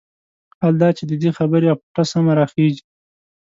حال دا چې د دې خبرې اپوټه سمه راخېژي.